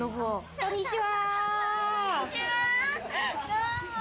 こんにちは！